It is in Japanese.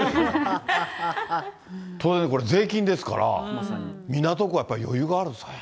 当然、これ税金ですから、港区はやっぱり余裕があるんですかね。